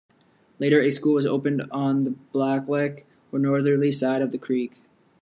Later, a school was opened on the Blacklick or northerly side of the creek.